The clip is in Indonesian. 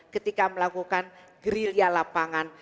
ketika melakukan gerilya lapangan